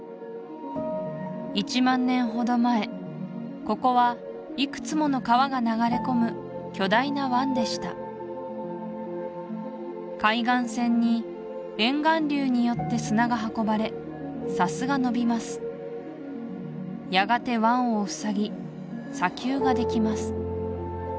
１万年ほど前ここはいくつもの川が流れ込む巨大な湾でした海岸線に沿岸流によって砂が運ばれ砂州がのびますやがて湾をふさぎ砂丘ができます